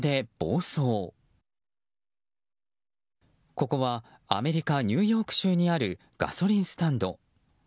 ここはアメリカ・ニューヨーク州にあるガソリンスタンド。